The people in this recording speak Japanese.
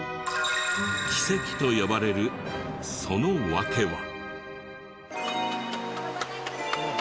奇跡と呼ばれるその訳は？